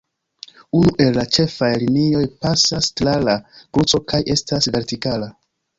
Unu el la ĉefaj linioj pasas tra la kruco kaj estas vertikala.